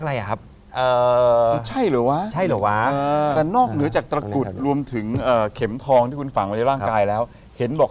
แล้วตรงหน้าอก๕แล้วตรงไหนอีกตัวเอง